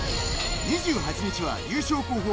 ２８日は優勝候補